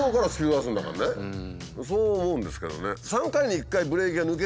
そう思うんですけどね。